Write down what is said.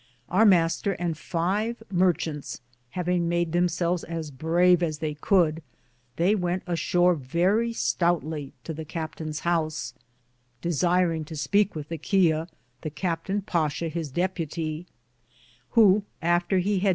Our Mr. and five martchants havinge made themselves as brave as they could, they wente a shore verrie stoutly to the Captayns house, desieringe to speake with the chial, the Captain bassha his debutie, who after he had m.